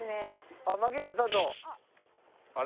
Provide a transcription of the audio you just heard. あっ槙原さんの。あれ？